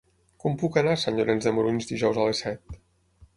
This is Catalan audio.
Com puc anar a Sant Llorenç de Morunys dijous a les set?